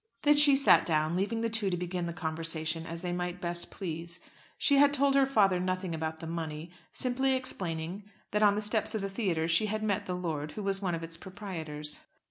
Then she sat down, leaving the two to begin the conversation as they might best please. She had told her father nothing about the money, simply explaining that on the steps of the theatre she had met the lord, who was one of its proprietors.